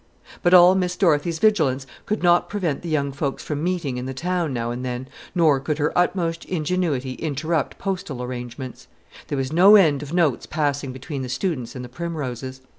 But all Miss Dorothy's vigilance could not prevent the young folks from meeting in the town now and then, nor could her utmost ingenuity interrupt postal arrangements. There was no end of notes passing between the students and the Primroses.